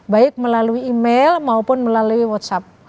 baik melalui email maupun melalui whatsapp